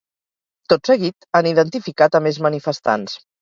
Tot seguit, han identificat a més manifestants.